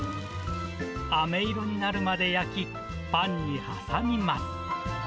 あめ色になるまで焼き、パンに挟みます。